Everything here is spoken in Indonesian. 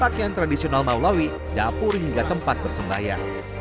dan pakaian tradisional malawi dapur hingga tempat bersembahyang